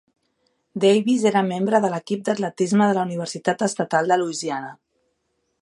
Davis era membre de l'equip d'atletisme de la Universitat Estatal de Louisiana.